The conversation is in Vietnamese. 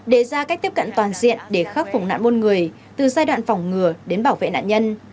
đề ra cách tiếp cận toàn diện để khắc phục nạn môn người từ giai đoạn phòng ngừa đến bảo vệ nạn nhân